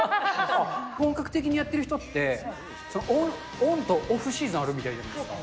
本格的にやってる人って、オンとオフシーズンあるみたいじゃないですか。